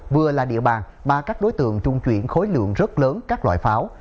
vừa là địa bàn mà các đối tượng trung chuyển khối lượng rất lớn các loại pháo